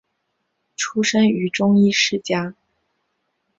出生于中医世家。